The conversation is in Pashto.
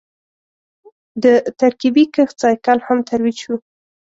د ترکیبي کښت سایکل هم ترویج شو.